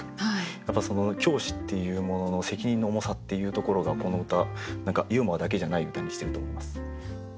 やっぱり教師っていうものの責任の重さっていうところがこの歌ユーモアだけじゃない歌にしてると思います。